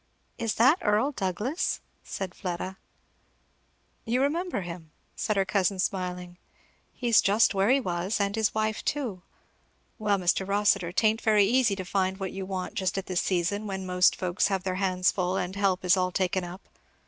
"Is that Earl Douglass?" said Fleda. "You remember him?" said her cousin smiling. "He's just where he was, and his wife too. Well Mr. Rossitur, 'tain't very easy to find what you want just at this season, when most folks have their hands full and help is all taken up.